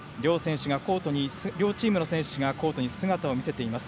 両チームの選手がコートに姿を見せました。